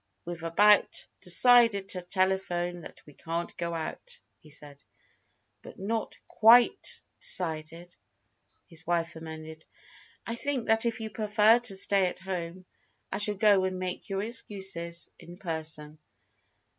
We've about decided to telephone that we can't go out," he said. "But not quite decided," his wife amended. "I think that if you prefer to stay at home, I shall go and make your excuses in person."